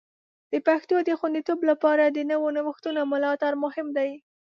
د پښتو د خوندیتوب لپاره د نوو نوښتونو ملاتړ مهم دی.